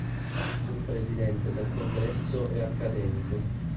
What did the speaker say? Fu presidente del Congresso e accademico.